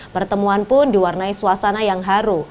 pertemuan pun diwarnai suasana yang haru